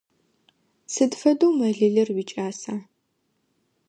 Сыд фэдэу мэлылыр уикӏаса?